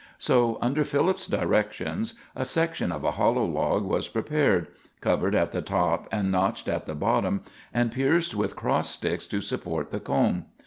So, under Philip's directions, a section of a hollow log was prepared, covered at the top and notched at the bottom, and pierced with cross sticks to support the comb.